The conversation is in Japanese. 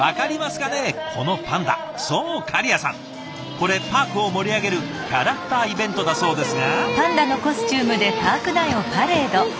これパークを盛り上げるキャラクターイベントだそうですが。